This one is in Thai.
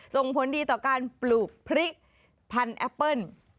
ส่งผลดีต่อการปลูกพริกพันธุ์แอปเปิ้ล